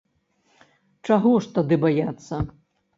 Чаго ж тады баяцца?